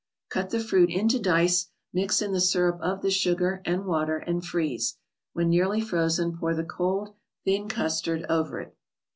Cut the fruit into dice, mix in the syrup of the sugar and water, and freeze; when nearly frozen, pour the cold, thin custard over it.